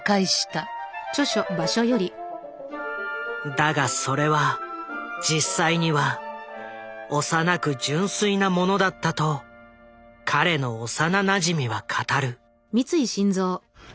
だがそれは実際には幼く純粋なものだったと彼の幼なじみは語る。